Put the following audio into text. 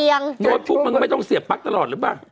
โน้ตบุ๊กมันก็ไม่ต้องเสียบปั๊กตลอดหรือเปล่า